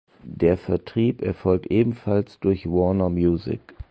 Der Vertrieb erfolgt ebenfalls durch Warner Music.